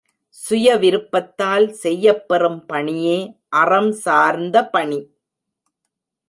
சுய விருப்பத்தால் செய்யப் பெறும் பணியே அறம் சார்ந்த பணி.